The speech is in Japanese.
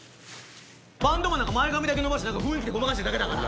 「バンドマンなんか前髪だけ伸ばして雰囲気でごまかしてるだけだから。